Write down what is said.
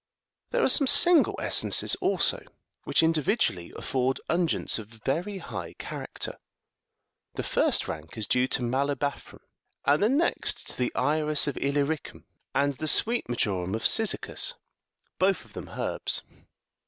60 There are some single essences also which, individually, afford unguents of very high character : the first rank is due to malobathrum,61 and the next to the iris of Illyricum and the sweet marjoram of Cyzicus, both of them herbs.